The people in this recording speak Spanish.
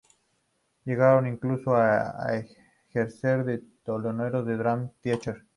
Llegaron incluso a ejercer de teloneros para Dream Theater.